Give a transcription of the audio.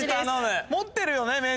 ・持ってるよね？